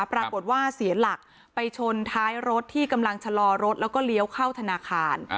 ปรากฏว่าเสียหลักไปชนท้ายรถที่กำลังชะลอรถแล้วก็เลี้ยวเข้าธนาคาร